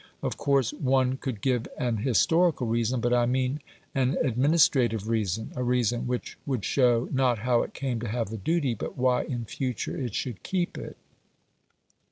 Of course one could give an historical reason, but I mean an administrative reason a reason which would show, not how it came to have the duty, but why in future it should keep it.